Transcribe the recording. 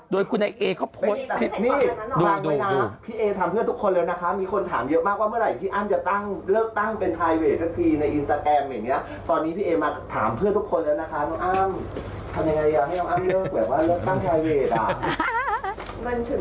โดยคุณนายเอ๊เขาโพสต์ดูนะพี่เอ๊ทำเพื่อทุกคนแล้วนะคะ